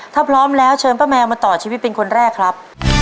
ถ้าพร้อมแล้วเชิญป้าแมวมาต่อชีวิตเป็นคนแรกครับ